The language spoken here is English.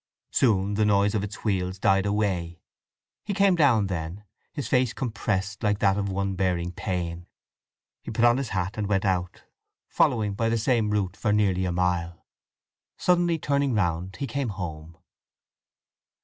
Soon the noise of its wheels died away. He came down then, his face compressed like that of one bearing pain; he put on his hat and went out, following by the same route for nearly a mile. Suddenly turning round he came home.